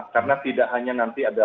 karena tidak hanya nanti ada